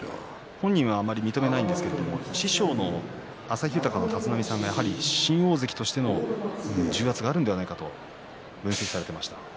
本人はあまり認めませんが師匠の旭豊の立浪さんは新大関としての重圧があるのではないかと分析されていました。